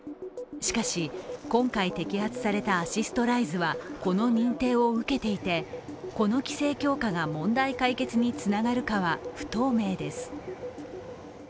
しかし、今回摘発されたアシストライズはこの認定を受けていて、この規制強化が問題解決につながるかは不透明です。